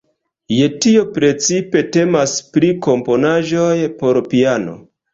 Je tio precipe temas pri komponaĵoj por piano.